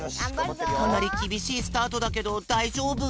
かなりきびしいスタートだけどだいじょうぶ？